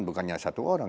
bukannya satu orang